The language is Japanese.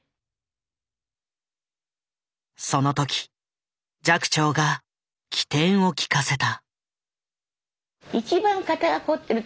その時寂聴が機転を利かせた。